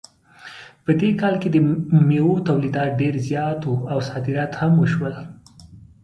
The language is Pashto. په دې کال کې د میوو تولید ډېر زیات و او صادرات هم وشول